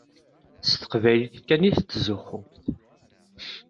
S teqbaylit kan i tettzuxxumt.